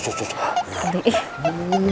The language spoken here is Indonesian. kok berani kamu